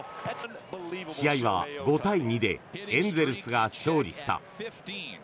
試合は５対２でエンゼルスが勝利した。